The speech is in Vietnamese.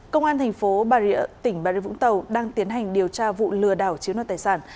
công an tp bà rịa tỉnh bà rịa vũng tàu đang tiến hành điều tra vụ lừa đảo chiếu nợ tài sản